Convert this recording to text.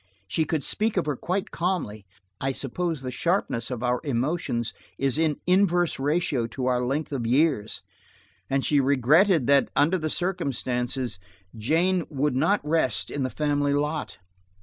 She could speak of her quite calmly–I suppose the sharpness of our emotions is in inverse ratio to our length of years, and she regretted that, under the circumstances, Jane would not rest in the family lot.